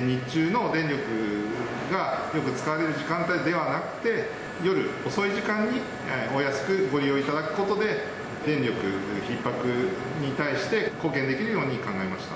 日中の電力がよく使われる時間帯ではなくて、夜遅い時間にお安くご利用いただくことで、電力ひっ迫に対して貢献できるように考えました。